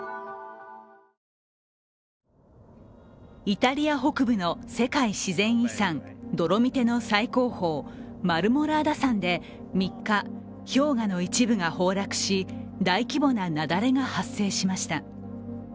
イタリア北部の世界自然遺産、ドロミテの最高峰、マルモラーダ山で３日、氷河の一部が崩落し大規模な雪崩が発生しました。